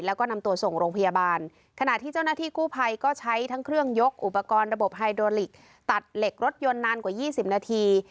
แล้วก็นำตัวส่งโรงพยาบาลขณะที่เจ้าหน้าที่กู้ภัยก็ใช้ทั้งเครื่องยกอุปกรณ์ระบบไฮโดลิกตัดเหล็กรถยนต์นานกว่ายี่สิบนาที